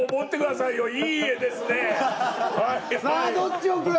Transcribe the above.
さあどっち置く？